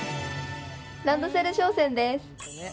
ランドセル商戦です！